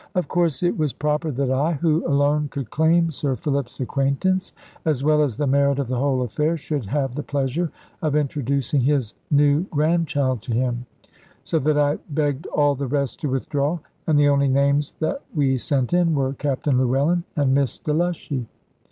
Of course it was proper that I, who alone could claim Sir Philip's acquaintance, as well as the merit of the whole affair, should have the pleasure of introducing his new grandchild to him; so that I begged all the rest to withdraw, and the only names that we sent in, were Captain Llewellyn and "Miss Delushy."